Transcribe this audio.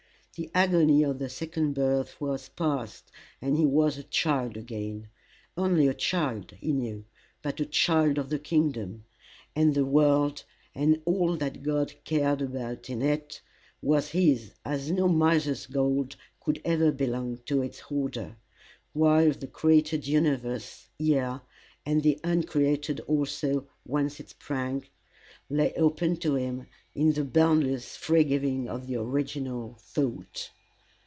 The agony of the second birth was past, and he was a child again only a child, he knew, but a child of the kingdom; and the world, and all that God cared about in it, was his, as no miser's gold could ever belong to its hoarder, while the created universe, yea and the uncreated also whence it sprang, lay open to him in the boundless free giving of the original Thought.